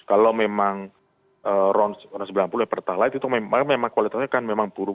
kalau memang ron sembilan puluh pertalite itu memang kualitasnya kan memang buruk